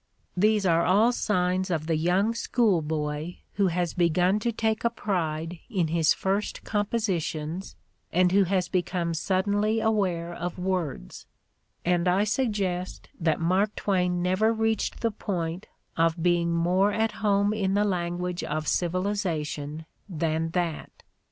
These are all signs of the young schoolboy who has begun to take a pride in his first compositions and who has become suddenly aware of words; and I suggest that Mark Twain never reached the point of being more at home in the language of civilization than that.